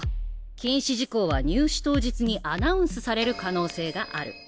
禁止事項は入試当日にアナウンスされる可能性がある。